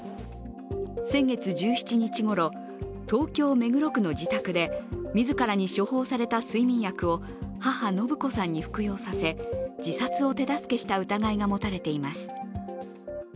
先月１７日ごろ、東京・目黒区の自宅で自らに処方された睡眠薬を母・延子さんに服用させ、自殺を手助けした疑いが持たれています。